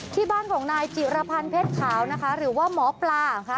ที่บ้านของนายจิรพันธ์เพชรขาวนะคะหรือว่าหมอปลาค่ะ